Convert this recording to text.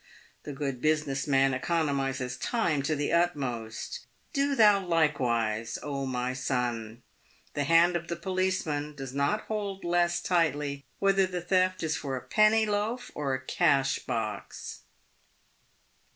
The good business man economises time to the utmost ; do thou likewise, O my son. The hand of the policeman does not hold less tightly, whether the theft is for a penny loaf or a cash box."